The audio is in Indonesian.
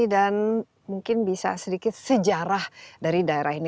dan mungkin bisa sedikit sejarah dari daerah ini